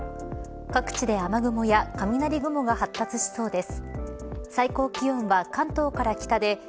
各地で雨雲や雷雲が発達しそうです。